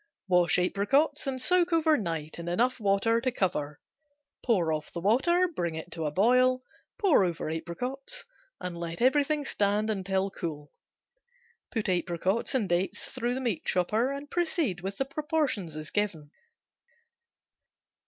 Wash apricots and soak over night in enough water to cover. Pour off water, bring it to a boil, pour over apricots, and let stand until cool. Put apricots and dates through meat chopper and proceed with the proportions as given.